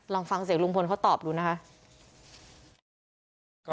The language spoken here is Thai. ลองฟังเสียงลุงพลเขาตอบดูนะคะ